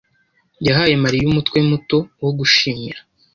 yahaye Mariya umutwe muto wo gushimira.